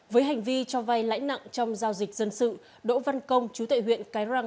với hành vi cho vay lãi nặng trong giao dịch dân sự đỗ văn công chú tệ huyện cái răng